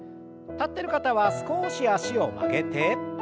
立ってる方は少し脚を曲げて。